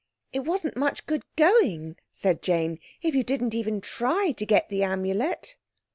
"It wasn't much good going," said Jane, "if you didn't even try to get the Amulet."